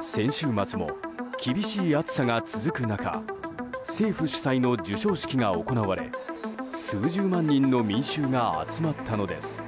先週末も厳しい暑さが続く中政府主催の授賞式が行われ数十万人の民衆が集まったのです。